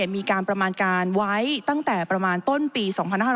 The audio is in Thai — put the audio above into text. มีการประมาณการไว้ตั้งแต่ประมาณต้นปี๒๕๕๙